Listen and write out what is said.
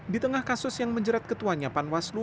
di tengah kasus yang menjerat ketuanya panwaslu